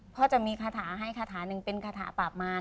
พ่อจะมีคาถาให้คาถาหนึ่งเป็นคาถาปาบมาร